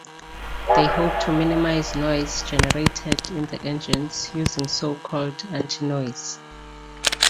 They hope to minimise noise generated in the engines using so-called "antinoise".